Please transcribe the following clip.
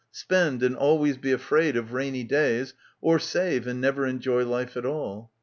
... Spend and always be afraid of "rainy days" — or save and never enjoy life at all.